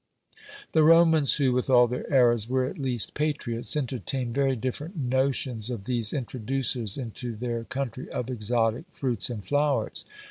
The Romans, who, with all their errors, were at least patriots, entertained very different notions of these introducers into their country of exotic fruits and flowers.